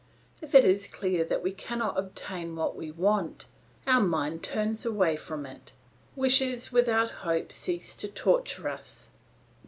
If it is clear that we cannot obtain what we want, our mind turns away from it; wishes without hope cease to torture us.